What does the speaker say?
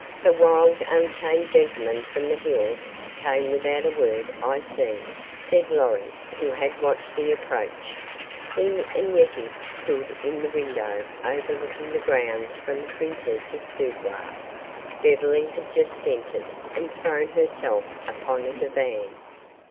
"The wild, untamed gentleman from the hills came without a word, I see," said Lorry, who had watched the approach. He and Yetive stood in the window overlooking the grounds from the princess's boudoir, Beverly had just entered and thrown herself upon a divan.